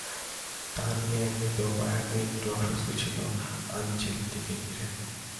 তা নিয়ে এমনিতেই বায়ার্নে একটু অস্বস্তি ছিল আনচেলত্তিকে ঘিরে।